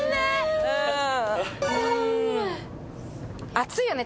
暑いよね。